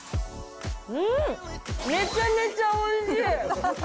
めちゃめちゃおいしい！